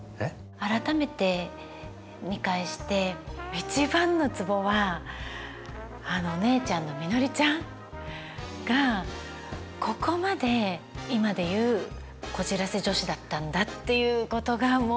改めて見返して一番のツボはあの姉ちゃんのみのりちゃんがここまで今で言うこじらせ女子だったんだっていうことがもうかわいくてかわいくて。